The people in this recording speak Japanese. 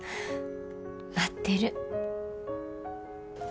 待ってる。